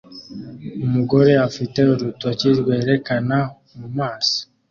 Umugore afite urutoki rwerekana mumaso